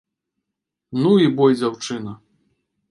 Ну, і бой дзяўчына.